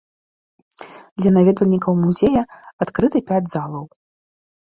Для наведвальнікаў музея адкрыты пяць залаў.